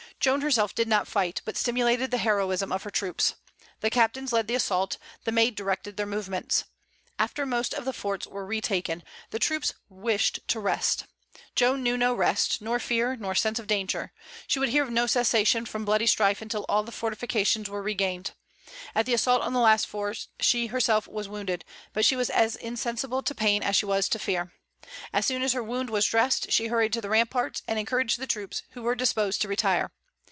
Joan herself did not fight, but stimulated the heroism of her troops. The captains led the assault; the Maid directed their movements. After most of the forts were retaken, the troops wished to rest. Joan knew no rest, nor fear, nor sense of danger. She would hear of no cessation from bloody strife until all the fortifications were regained. At the assault on the last fort she herself was wounded; but she was as insensible to pain as she was to fear. As soon as her wound was dressed she hurried to the ramparts, and encouraged the troops, who were disposed to retire.